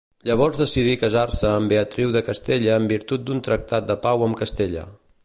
Llavors decidí casar-se amb Beatriu de Castella en virtut d'un tractat de Pau amb Castella.